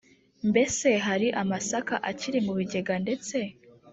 mbese hari amasaka akiri mu bigega ndetse